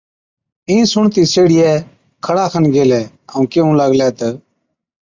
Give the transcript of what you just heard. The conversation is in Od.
اِين سُڻتِي سيهڙِيئَي کَڙا کن گيلَي ائُون ڪيهُون لاگلَي تہ،